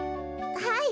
はい。